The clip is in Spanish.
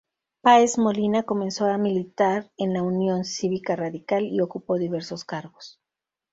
Páez Molina comenzó a militar en la Unión Cívica Radical y ocupó diversos cargos.